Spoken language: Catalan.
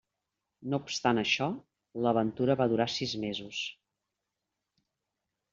No obstant això, l'aventura va durar sis mesos.